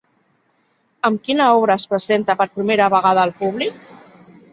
Amb quina obra es presenta per primera vegada al públic?